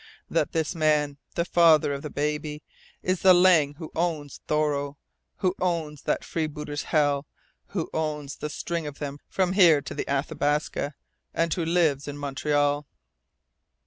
" that this man, the father of the baby, is the Lang who owns Thoreau, who owns that freebooters' hell, who owns the string of them from here to the Athabasca, and who lives in Montreal!"